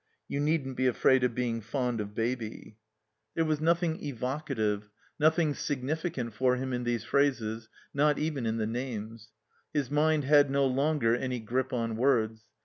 "You needn't be afraid of being fond of Baby." Thet^ ^^ XMiOa 237 THE COMBINED MAZE ing evocative, nothing significant for him in these phrases, not even in the names. His mind had no longer any grip on words.